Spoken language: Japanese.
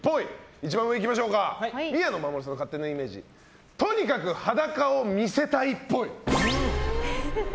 一番上、いきましょうか宮野真守さんの勝手なイメージとにかく裸を見せたいっぽい。